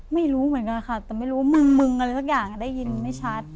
ไม่รู้เหมือนกันค่ะแต่ไม่รู้ว่ามึงมึงอะไรสักอย่างได้ยินไม่ชัด